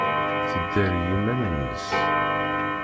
Tedder i yiman-nnes.